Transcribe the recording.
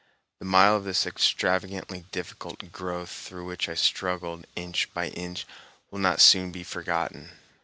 The mile of this extravagantly difficult growth through which I struggled, inch by inch, will not soon be forgotten.